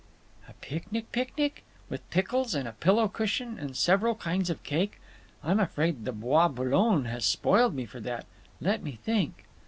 "A picnic picnic? With pickles and a pillow cushion and several kinds of cake?… I'm afraid the Bois Boulogne has spoiled me for that…. Let me think."